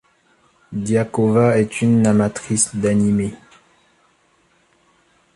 Diakova est une amatrice d'animé.